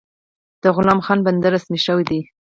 د غلام خان بندر رسمي شوی دی؟